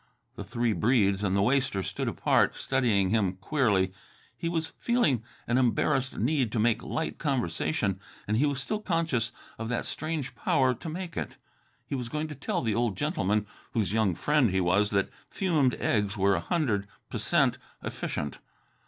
The three Breedes and the waster stood apart, studying him queerly. He was feeling an embarrassed need to make light conversation, and he was still conscious of that strange power to make it. He was going to tell the old gentleman, whose young friend he was, that fumed eggs were a hundred p'cent efficient.